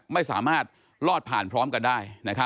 ไม่สามารถลอดผ่านพร้อมกันได้